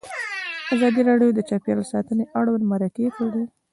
ازادي راډیو د چاپیریال ساتنه اړوند مرکې کړي.